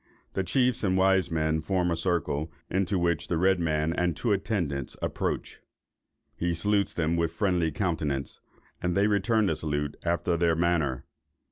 The chiefs and wise men form a circle, into which the red man and two attendants approach. He salutes them with friendly countenance, and they return the salute after their manner.